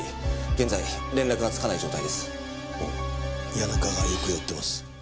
谷中が行方を追ってます。